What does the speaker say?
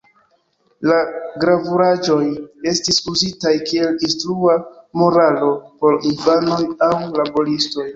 La gravuraĵoj estis uzitaj kiel instrua moralo por infanoj aŭ laboristoj.